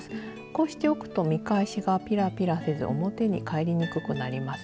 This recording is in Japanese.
こうしておくと見返しがピラピラせず表に返りにくくなりますよ。